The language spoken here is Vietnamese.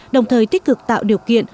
đồng thời tích cực tạo điều kiện